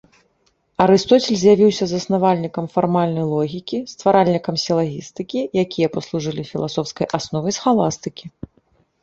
Арыстоцель з'явіўся заснавальнікам фармальнай логікі, стваральнікам сілагістыкі, якія паслужылі філасофскай асновай схаластыкі.